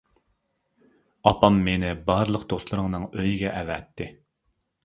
-ئاپام مېنى بارلىق دوستلىرىڭنىڭ ئۆيىگە ئەۋەتتى.